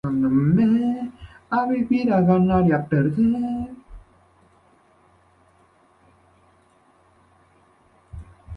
Obi-Wan sobrevivió y se reunió con otro superviviente, el Gran Maestro Yoda.